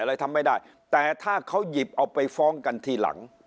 อะไรทำไม่ได้แต่ถ้าเขาหยิบเอาไปฟ้องกันทีหลัง